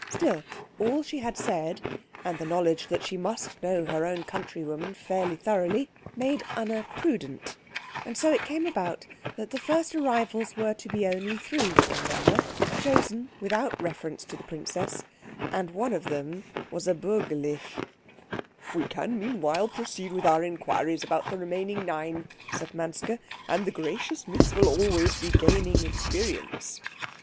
Still, all she had said, and the knowledge that she must know her own countrywomen fairly thoroughly, made Anna prudent; and so it came about that the first arrivals were to be only three in number, chosen without reference to the princess, and one of them was bürgerlich. "We can meanwhile proceed with our inquiries about the remaining nine," said Manske, "and the gracious Miss will be always gaining experience."